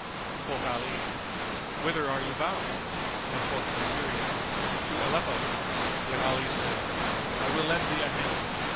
Quoth Ali, "Whither are you bound?" and quoth the Syrian, "to Aleppo," when Ali said, "I will lend thee a hand."